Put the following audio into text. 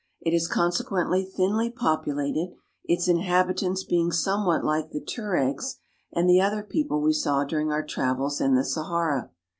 It is consequently thinly populated, its inhabitants being somewhat like the Tueregs and the other people we saw during our travels in the Sahara.